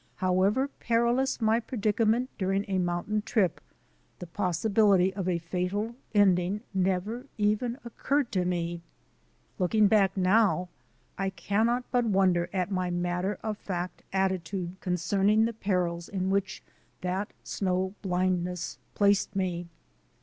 However perilous my predicament during a mountain trip, the possibility of a fatal ending never even occurred to me. L< »< >k ing back now, I cannot but wonder at my matter of fact attitude concerning the perils in which that snow blindness placed me.